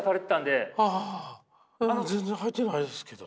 まだ全然はいてないですけど。